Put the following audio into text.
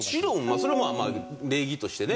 それは礼儀としてね。